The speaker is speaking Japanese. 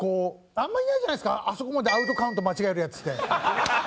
あんまりいないじゃないですかあそこまでアウトカウント間違えるヤツって。